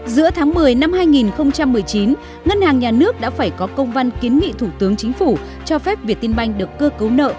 giữa tháng một mươi năm hai nghìn một mươi chín ngân hàng nhà nước đã phải có công văn kiến nghị thủ tướng chính phủ cho phép việt tiên banh được cơ cấu nợ